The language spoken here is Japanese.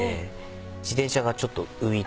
自転車がちょっと浮いて。